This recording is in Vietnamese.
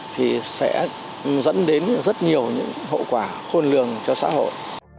thì sẽ dẫn đến rất nhiều những hậu quả khôn lường cho xã hội